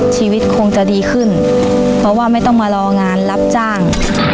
ชีวิตคงจะดีขึ้นเพราะว่าไม่ต้องมารองานรับจ้าง